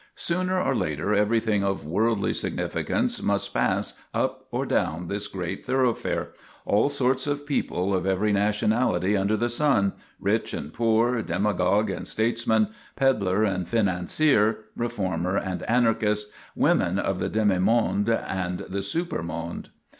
Sooner or later everything of worldly sig nificance must pass up or down this great thorough fare all sorts of people of every nationality under the sun, rich and poor, demagogue and statesman, peddler and financier, reformer and anarchist, women of the demi monde and the super monde.